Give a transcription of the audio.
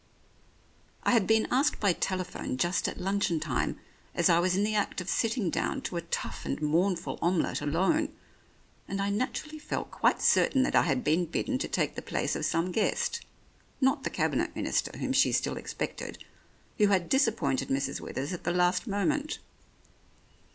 I had been asked by telephone just at luncheon time, as I was in the act of sitting down to a tough and mournful omelette alone, and I naturally felt quite certain that I had been bidden to take the place of some guest (not the Cabinet Minister whom she still expected) who had disappointed Mrs. Withers at the last moment.